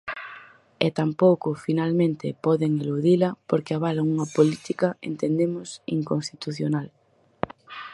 E tampouco, finalmente, poden eludila porque avalan unha política, entendemos, inconstitucional.